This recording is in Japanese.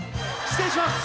失礼します！